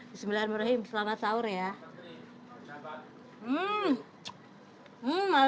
bismillahirrahmanirrahim selamat sahur ya